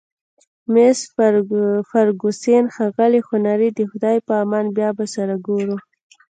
مس فرګوسن: ښاغلی هنري، د خدای په امان، بیا به سره ګورو.